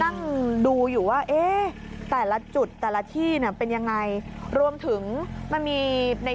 นั่งดูอยู่ว่าเอ๊ะแต่ละจุดแต่ละที่เนี่ยเป็นยังไงรวมถึงมันมีใน